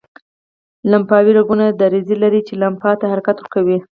لمفاوي رګونه دریڅې لري چې لمف ته حرکت ورکوي.